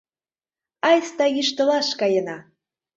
— Айста йӱштылаш каена!